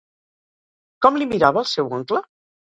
Com li mirava el seu oncle?